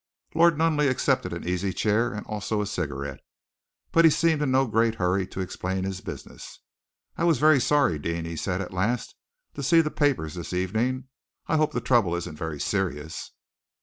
Lord Nunneley accepted an easy chair and also a cigarette, but he seemed in no great hurry to explain his business. "I was very sorry, Deane," he said at last, "to see the papers this evening. I hope the trouble isn't very serious."